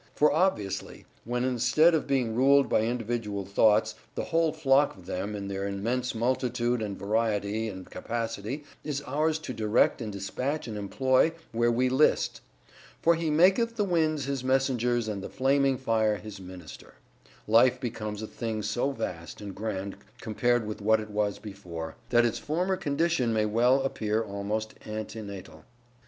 For obviously when instead of being ruled by individual thoughts, the whole flock of them in their immense multitude and variety and capacity is ours to direct and dispatch and employ where we list ('for He maketh the winds his messengers and the flaming fire His minister'), life becomes a thing so vast and grand compared with what it was before, that its former condition may well appear almost antenatal.